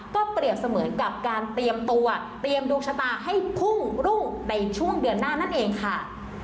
ก็เปรียบเสมือนกับการเตรียมตัวเตรียมดวงชะตาให้พุ่งรุ่งในช่วงเดือนหน้านั่นเองค่ะ